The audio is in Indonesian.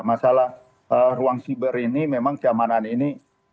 masalah ruang siber ini memang keamanan ini